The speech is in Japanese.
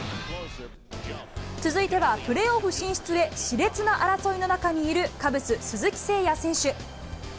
続いてはプレーオフ進出へ、しれつな争いの中にいるカブス、鈴木誠也選手。